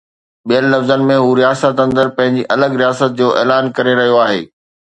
ٻين لفظن ۾ هو رياست اندر پنهنجي الڳ رياست جو اعلان ڪري رهيو آهي